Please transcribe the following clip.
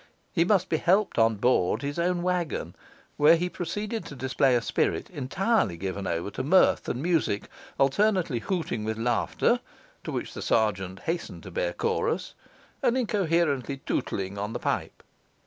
He must be helped on board his own waggon, where he proceeded to display a spirit entirely given over to mirth and music, alternately hooting with laughter, to which the sergeant hastened to bear chorus, and incoherently tootling on the pipe.